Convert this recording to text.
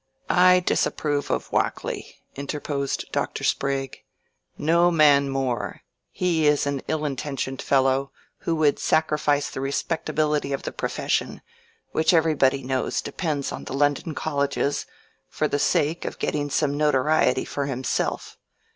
"I disapprove of Wakley," interposed Dr. Sprague, "no man more: he is an ill intentioned fellow, who would sacrifice the respectability of the profession, which everybody knows depends on the London Colleges, for the sake of getting some notoriety for himself.